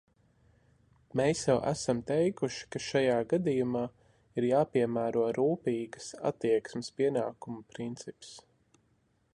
Mēs jau esam teikuši, ka šajā gadījumā ir jāpiemēro rūpīgas attieksmes pienākuma princips.